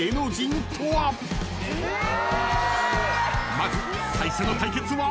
［まず最初の対決は］